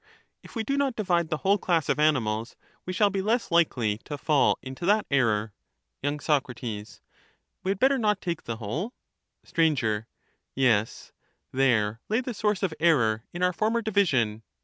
If we do not divide the whole class of animals, we shall be less likely to fall into that error. Y. Soc. We had better not take the whole ? Str. Yes, there lay the source of error in our former division.